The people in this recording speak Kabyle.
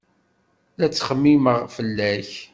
La ttxemmimeɣ fell-ak.